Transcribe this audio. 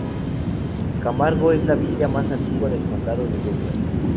Camargo es la villa más antigua en el condado de Douglas.